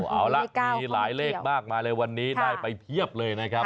เอาละมีหลายเลขมากมาเลยวันนี้ได้ไปเพียบเลยนะครับ